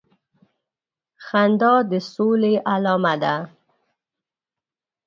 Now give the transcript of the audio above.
خندا د سولي علامه ده